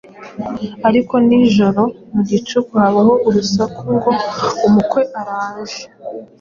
Ariko nijoro mu gicuku habaho urusaku ngo ‘umukwe araje,